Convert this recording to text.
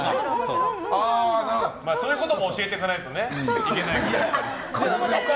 そういうことも教えていかないといけないからね。